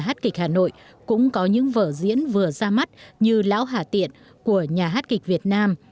hát kịch hà nội cũng có những vở diễn vừa ra mắt như lão hà tiện của nhà hát kịch việt nam